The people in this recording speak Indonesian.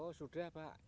oh sudah pak